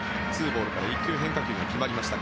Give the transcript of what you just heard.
２ボールから１球、変化球が決まりました。